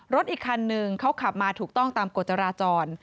รถอีกคันนึงเขาขับมาถูกต้องตามกฎจราจร